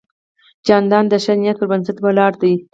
جانداد د ښه نیت پر بنسټ ولاړ دی.